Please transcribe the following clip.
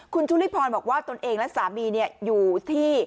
คุณชุลิพรบอกว่าตนเองและสามีอยู่ที่